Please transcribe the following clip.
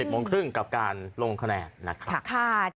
โมงครึ่งกับการลงคะแนนนะครับ